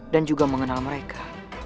dan juga mengenal mereka